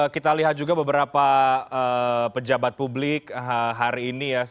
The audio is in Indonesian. kita lihat juga beberapa pejabat publik hari ini ya